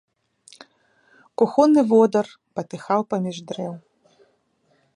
Кухонны водар патыхаў паміж дрэў.